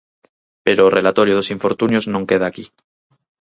Pero o relatorio dos infortunios non queda aquí.